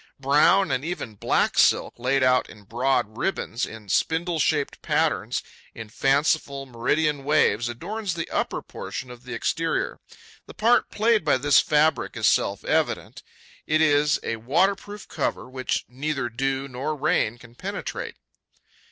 Brown and even black silk, laid out in abroad ribbons, in spindle shaped patterns, in fanciful meridian waves, adorns the upper portion of the exterior. The part played by this fabric is self evident: it is a waterproof cover which neither dew nor rain can penetrate.